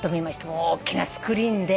おっきなスクリーンで。